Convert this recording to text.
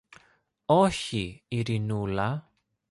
Όχι, Ειρηνούλα.